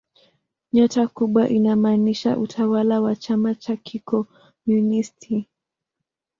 Nyota kubwa inamaanisha utawala wa chama cha kikomunisti.